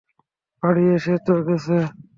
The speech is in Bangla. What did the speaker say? বাড়ি এসে তো গেছে।